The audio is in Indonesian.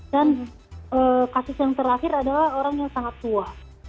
dan kasus yang terakhir adalah orang yang sangat tua